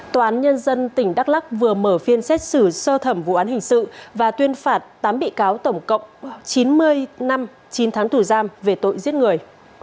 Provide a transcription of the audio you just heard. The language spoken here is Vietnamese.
tòa án nhân dân tỉnh đắk lắc vừa mở phiên xét xử sơ thẩm vụ án hình sự và tuyên phạt tám bị cáo tổng cộng chín mươi năm chín tháng tù giam về tội giết người